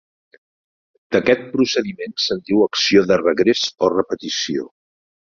D'aquest procediment se'n diu acció de regrés o repetició.